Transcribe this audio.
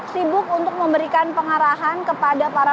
sibuk untuk memberikan pengarahan kepada para